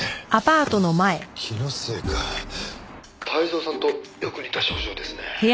「泰造さんとよく似た症状ですね」